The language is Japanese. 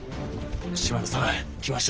島田さん来ました。